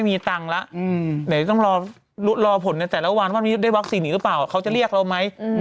มีอย่างแบบเรื่องเคลียดแม่